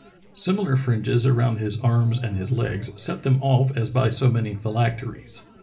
Similar fringes around his arms and his legs set them off as by so many phylacteries.